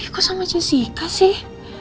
kok sama cisika sih